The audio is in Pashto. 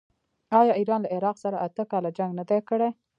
آیا ایران له عراق سره اته کاله جنګ نه دی کړی؟